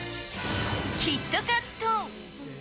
キットカット。